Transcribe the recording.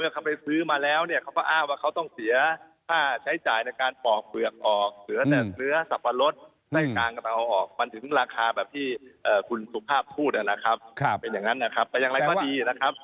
ก็ถูกจุภาพพูดละนะครับเป็นอย่างนั้นนะครับก็ยังไงก็ดีนะครับ